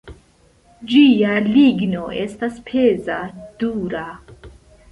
Ĝia ligno estas peza, dura.